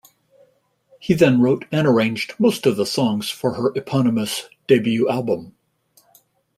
He then wrote and arranged most of the songs for her eponymous debut album.